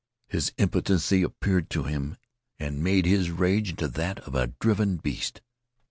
His impotency appeared to him, and made his rage into that of a driven beast.